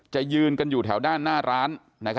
จะยืนกันอยู่แถวหน้าร้าน